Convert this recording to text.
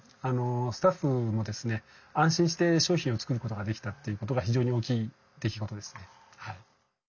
スタッフもですね安心して商品を作ることができたということが非常に大きい出来事ですね。